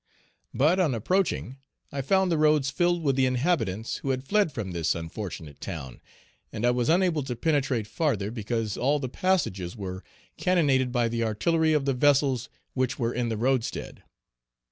But, on approaching, I found the roads filled with the inhabitants who had fled from this unfortunate town, and I was unable to penetrate farther because all the passages were cannonaded by the artillery of the vessels which were in the roadstead.